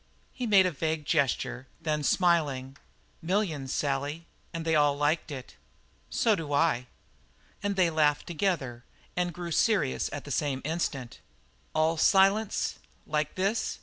He made a vague gesture and then, smiling: "Millions, Sally, and they all liked it." "So do I." And they laughed together, and grew serious at the same instant. "All silence like this?"